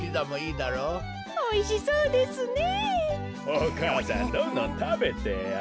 お母さんどんどんたべてよ。